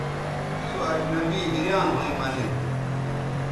سو اجنبی حیریان َھویں مہ نِن